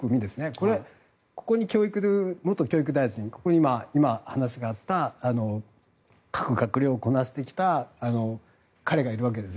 これは、ここに元教育大臣ここに今、話があった各閣僚をこなしてきた彼がいるわけです